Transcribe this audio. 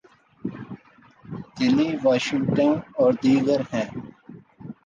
Delhi, Washington اور ''دیگر" ہیں۔